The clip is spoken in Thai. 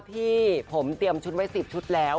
ที่ผมเตรียมชุดไว้๑๐ชุดแล้ว